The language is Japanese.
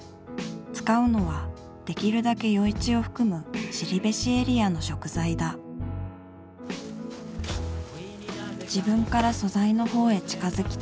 使うのはできるだけ余市を含む後志エリアの食材だよいしょ。